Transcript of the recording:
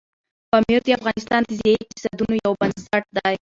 پامیر د افغانستان د ځایي اقتصادونو یو بنسټ دی.